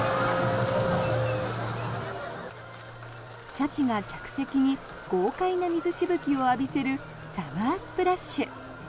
シャチが客席に豪快な水しぶきを浴びせるサマースプラッシュ。